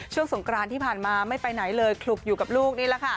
สงกรานที่ผ่านมาไม่ไปไหนเลยคลุกอยู่กับลูกนี่แหละค่ะ